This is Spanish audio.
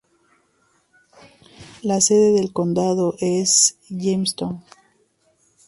La sede del condado es Jamestown.